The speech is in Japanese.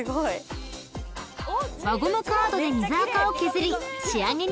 ［輪ゴムカードで水あかを削り仕上げに行うのが］